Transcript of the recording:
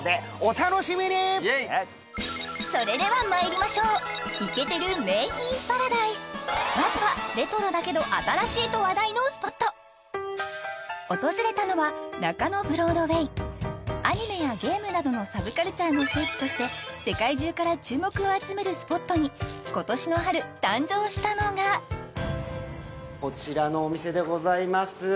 それではまいりましょうまずはレトロだけど新しいと話題のスポット訪れたのはアニメやゲームなどのサブカルチャーの聖地として世界中から注目を集めるスポットに今年の春誕生したのがこちらのお店でございます